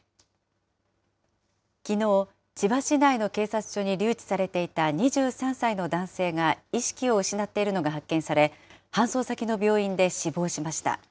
きのう、千葉市内の警察署に留置されていた２３歳の男性が意識を失っているのが発見され、搬送先の病院で死亡しました。